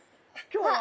今日は。